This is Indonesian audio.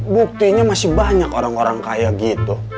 buktinya masih banyak orang orang kayak gitu